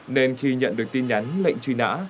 nên khi nhận được tin nhắn lệnh truy nã